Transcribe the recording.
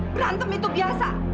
berantem itu biasa